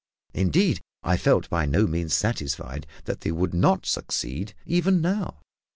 Indeed, I felt by no means satisfied that they would not succeed, even now.